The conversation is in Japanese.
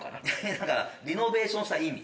だからリノベーションした意味。